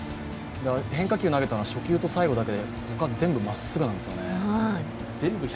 変化球投げたのは初球と最後だけで、他は全部まっすぐだったんですよね。